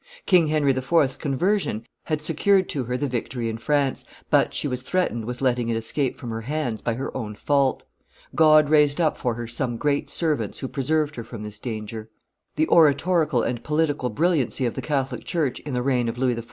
King Henry IV.'s conversion had secured to her the victory in France, but she was threatened with letting it escape from her hands by her own fault. God raised up for her some great servents who preserved her from this danger. The oratorical and political brilliancy of the Catholic church in the reign of Louis XIV.